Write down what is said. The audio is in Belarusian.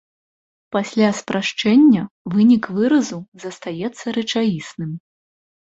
Пасля спрашчэння вынік выразу застаецца рэчаісным.